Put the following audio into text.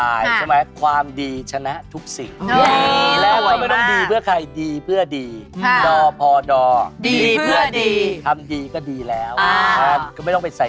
แล้วเรื่องนี้คู่แข่นคนที่คิดร้ายเนี่ยเรามีวิธีสวดอะไรไหมคะ